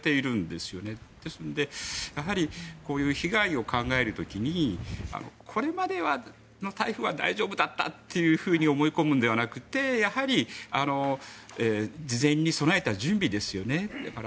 ですので、やはりこういう被害を考える時にこれまでの台風は大丈夫だったというふうに思い込むのではなくて事前に備えた準備ですよね。